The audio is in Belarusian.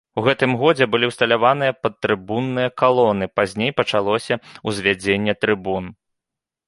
У гэтым годзе былі ўсталяваныя падтрыбунныя калоны, пазней пачалося ўзвядзенне трыбун.